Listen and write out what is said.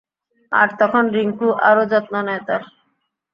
আর তখন রিংকু আরও যত্ন নেয় তার।